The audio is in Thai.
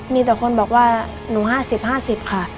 มีแต่คนบอกว่าหนู๕๐๕๐ค่ะ